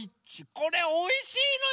これおいしいのよ。